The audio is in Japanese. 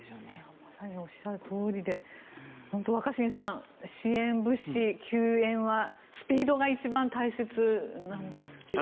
まさにおっしゃるとおりで本当に若新さん、支援物資救援は、スピードが一番大切なんですけどね。